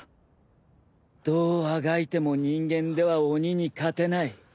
どうあがいても人間では鬼に勝てない。